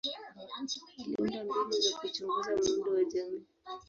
Aliunda mbinu za kuchunguza muundo wa jamii.